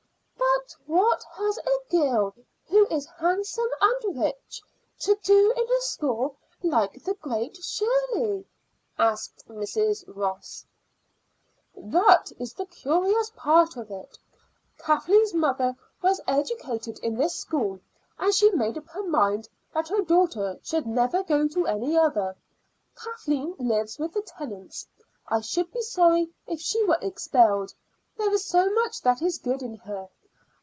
"But what has a girl who is handsome and rich to do in a school like the Great Shirley?" asked Mrs. Ross. "That is the curious part of it. Kathleen's mother was educated in this school, and she made up her mind that her daughter should never go to any other. Kathleen lives with the Tennants. I should be sorry if she were expelled; there is so much that is good in her.